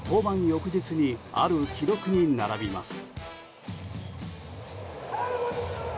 翌日にある記録に並びます。